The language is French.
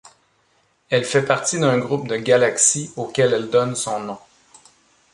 Elle fait partie d'un groupe de galaxies auquel elle donne son nom.